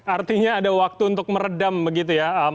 artinya ada waktu untuk meredam begitu ya